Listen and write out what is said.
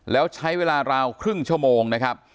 แล้วใช้เวลาราวครึ่งชั่วโมงนะครับ